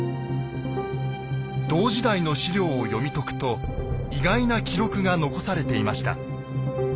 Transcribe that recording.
同時代の史料を読み解くと意外な記録が残されていました。